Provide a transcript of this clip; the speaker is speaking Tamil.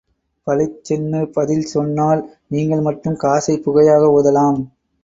பளிச்சென்து பதில் சொன்னாள் நீங்கள் மட்டும் காசைப் புகையாக ஊதலாம்.